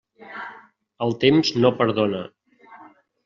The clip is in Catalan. El temps no perdona.